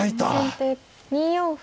先手２四歩。